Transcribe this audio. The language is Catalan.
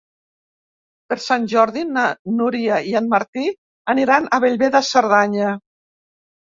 Per Sant Jordi na Núria i en Martí aniran a Bellver de Cerdanya.